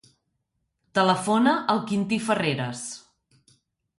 Telefona al Quintí Ferreras.